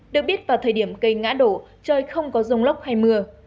được biết vào thời điểm cây ngã đổ trời không có rông lốc hay mưa